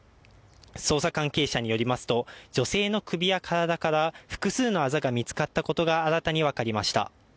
捜査関係者によりますと女性の首や体から複数のあざが見つかったことが新たに分かりました。